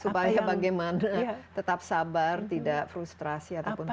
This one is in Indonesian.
supaya bagaimana tetap sabar tidak frustrasi ataupun putus asa